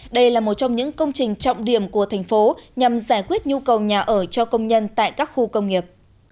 đây là một trong những công trình trọng điểm của thành phố nhằm giải quyết nhu cầu nhà ở cho công nhân tại các khu công nghiệp